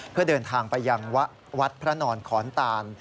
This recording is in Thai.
เพื่อเดินทางไปยังวัดพระนอนขอนตาน